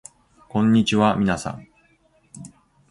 こんにちはみなさん